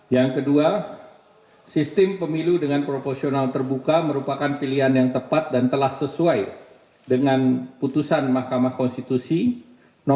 yang kedua sistem pemilu dengan proporsional terbuka merupakan pilihan yang tepat dan telah sesuai dengan putusan mahkamah konstitusi no dua puluh dua dua puluh empat sembilan belas